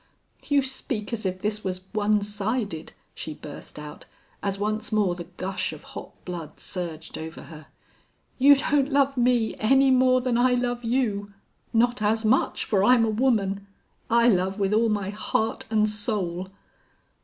"You speak as if this was one sided," she burst out, as once more the gush of hot blood surged over her. "You don't love me any more than I love you. Not as much, for I'm a woman!... I love with all my heart and soul!"